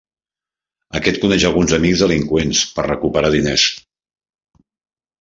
Aquest coneix alguns amics delinqüents per recuperar diners.